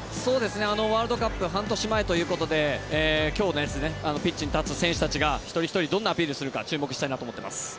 ワールドカップ半年前ということで今日ピッチに立つ選手が一人一人どんなアピールをするか、注目したいなと思っています。